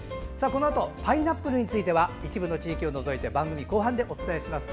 パイナップルについては一部地域を除いて番組後半でお伝えします。